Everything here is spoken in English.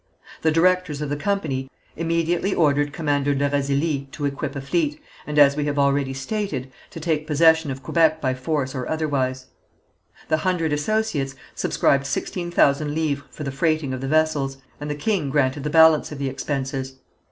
The directors of the company immediately ordered Commander de Razilly to equip a fleet, and, as we have already stated, to take possession of Quebec by force or otherwise. The Hundred Associates subscribed sixteen thousand livres for the freighting of the vessels, and the king granted the balance of the expenses.